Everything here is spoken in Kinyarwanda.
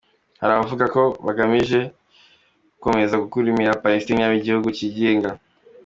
Hari abavuga ko bugamije gukomeza gukumira ko Palestine yaba igihugu kigenga